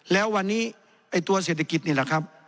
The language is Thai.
แล้ววันนี้ไอ้ตัวเศรษฐกิจนี่แหละครับ